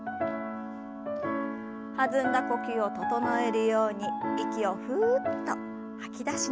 弾んだ呼吸を整えるように息をふっと吐き出しながら。